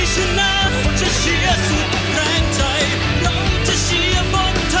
สวัสดีครับ